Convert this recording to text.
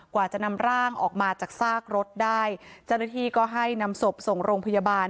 กว่าจะนำร่างออกมาจากซากรถได้เจ้าหน้าที่ก็ให้นำศพส่งโรงพยาบาล